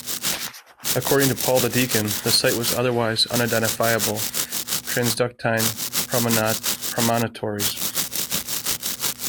According to Paul the Deacon, the site was the otherwise unidentifiable "Transductine promontories".